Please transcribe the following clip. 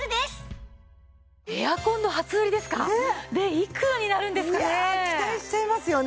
いくらになるんですかね！